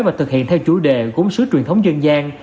và thực hiện theo chủ đề của một sứ truyền thống dân gian